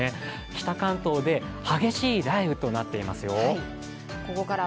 北関東で激しい雷雨となっていますよ。